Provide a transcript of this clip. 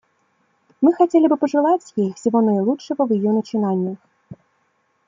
Мы хотели бы пожелать ей всего наилучшего в ее начинаниях.